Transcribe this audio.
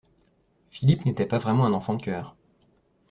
Philippe n’était pas vraiment un enfant de chœur.